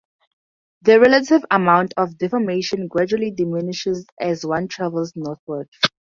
The relative amount of deformation gradually diminishes as one travels northward.